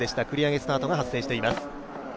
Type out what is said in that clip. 繰り上げスタートが発生しています。